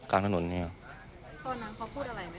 ตอนนั้นเขาพูดอะไรไหมคะ